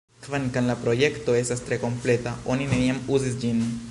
Kvankam la projekto estas tre kompleta, oni neniam uzis ĝin.